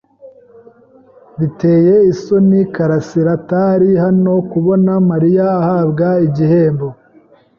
Biteye isoni Karasiraatari hano kubona Mariya ahabwa igihembo.